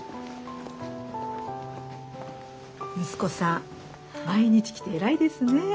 息子さん毎日来て偉いですね。